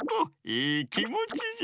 いいきもちじゃ。